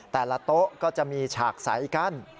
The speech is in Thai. แต่ละโต๊ะก็จะมีฉากใสกั้น